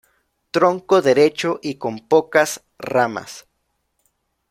Tronco derecho y con pocas ramas.